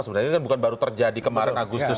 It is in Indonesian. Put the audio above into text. sebenarnya ini kan bukan baru terjadi kemarin agustus